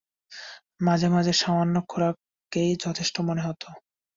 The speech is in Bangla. মাঝে মাঝে সামান্য খোরাককেই যথেষ্ট মনে হত।